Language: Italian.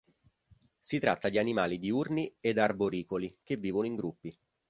Si tratta di animali diurni ed arboricoli, che vivono in gruppi.